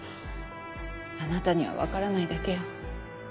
あなたには分からないだけよ。